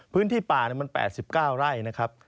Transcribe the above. พื้นที่ป่ามัน๘๙ไร่นะครับ